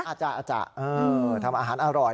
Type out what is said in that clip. อาจจะอาจจะทำอาหารอร่อย